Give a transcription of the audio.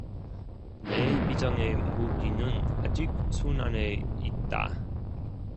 내 비장의 무기는 아직 손안에 있다.